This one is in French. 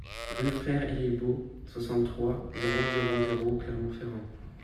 Rue Frère Héribaud, soixante-trois, zéro zéro zéro Clermont-Ferrand